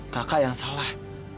kakak yang salah